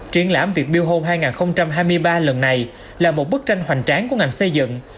triển lãm việt build home hai nghìn hai mươi ba lần này là một bức tranh hoành tráng của ngành xây dựng